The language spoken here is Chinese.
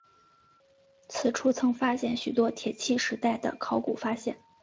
此处曾发现许多铁器时代的考古发现。